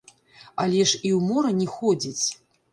Але ж і ў мора не ходзіць.